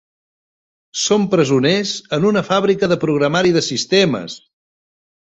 Som presoners en una fàbrica de programari de sistemes!